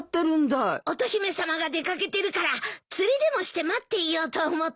乙姫さまが出掛けてるから釣りでもして待っていようと思って。